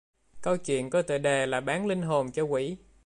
Câu chuyện có tựa đề là bán linh hồn cho quỷ